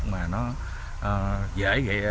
mà nó dễ dàng